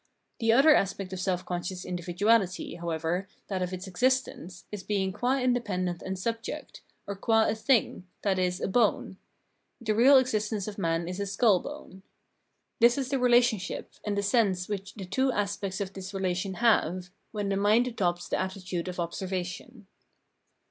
The other aspect of self conscious individuahty, however, that of its existence, is being qua independent and subject, or qua a thing, viz. a bone : the real exist ence of man is his skull bone. This is the relationship and the sense which the two aspects of this relation have when the mind adopts the attitude of observation.